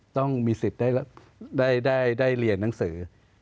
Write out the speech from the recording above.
ต้องมีสิทธิ์ได้เรียนหนังสือ